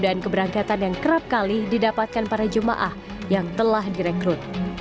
dan penundaan keberangkatan yang kerap kali didapatkan para jemaah yang telah direkrut